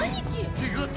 手形。